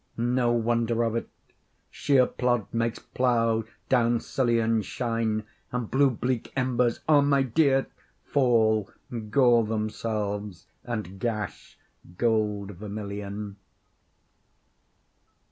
No wonder of it: shéer plód makes plough down sillion Shine, and blue bleak embers, ah my dear, Fall, gall themselves, and gash gold vermillion.